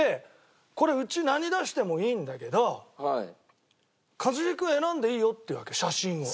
「これうち何出してもいいんだけど一茂君選んでいいよ」って言うわけ写真を。